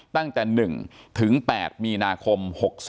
ตั้งแต่๑๘มีนาคม๖๒